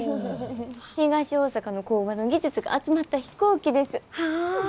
東大阪の工場の技術が集まった飛行機です。